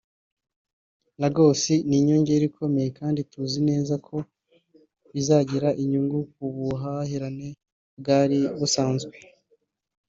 Lagos ni inyongera ikomeye kandi tuzi neza ko bizagira inyungu ku buhahirane bwari busanzwe”